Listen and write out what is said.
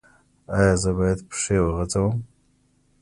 ایا زه باید پښې وغځوم؟